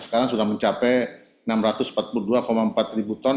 sekarang sudah mencapai enam ratus empat puluh dua empat ribu ton